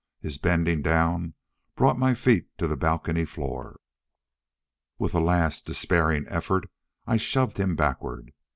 His bending down brought my feet to the balcony floor. With a last despairing effort I shoved him backward.